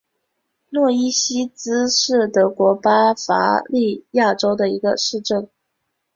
诺伊西茨是德国巴伐利亚州的一个市镇。